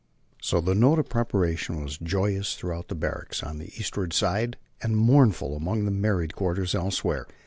So the note of preparation was joyous throughout the barracks on the eastward side and mournful among the married quarters elsewhere.